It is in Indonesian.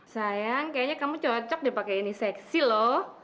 sayang kayaknya kamu cocok dipake ini seksi lho